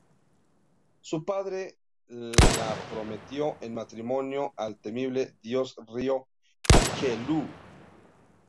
Su padre la prometió en matrimonio al temible dios-río Aqueloo.